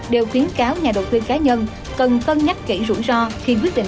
đều khuyến cáo nhà đầu tư cá nhân cần cân nhắc kỹ rủi ro khi quyết định